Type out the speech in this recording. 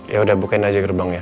ya udah bukain aja gerbangnya